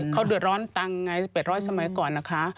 เขาเดือดร้อนตังค์ไง๘๐๐สมัยก่อนนะคะ